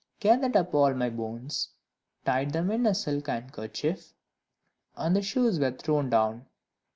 "Gathered up all my bones, Tied them in a silk handkerchief," And the shoes were thrown down.